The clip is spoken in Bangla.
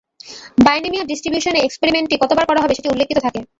বাইনমিয়াল ডিস্ট্রিবিউশন এ এক্সপেরিমেন্টটি কত বার করা হবে সেটি উল্লেখিত থাকে।